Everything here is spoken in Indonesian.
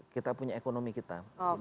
kita punya ekonomi kita